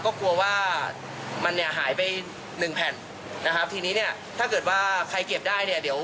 ก็กลัวว่ามันเนี่ยหายไปหนึ่งแผ่นนะครับทีนี้เนี่ยถ้าเกิดว่าใครเก็บได้เนี่ยเดี๋ยว